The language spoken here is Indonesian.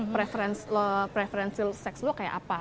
preferensi seks lu kayak apa